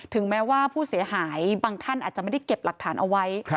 แม้ว่าผู้เสียหายบางท่านอาจจะไม่ได้เก็บหลักฐานเอาไว้